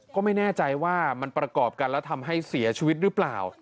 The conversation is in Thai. ก็ไม่แน่ใจว่ามันประกอบกันแล้วทำให้เสียชีวิตหรือเปล่า